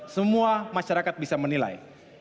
semua masyarakat bisa menilai